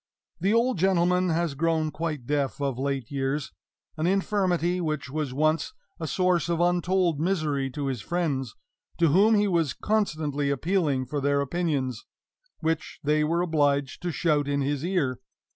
The old gentleman has grown quite deaf of late years an infirmity which was once a source of untold misery to his friends, to whom he was constantly appealing for their opinions, which they were obliged to shout in his ear.